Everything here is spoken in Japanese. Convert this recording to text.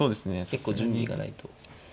結構準備がないと。